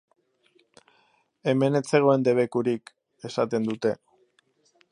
Hemen ez zegoen debekurik!, esaten dute.